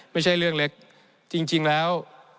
ไม่ใช่เรื่องเล็กจริงแล้ว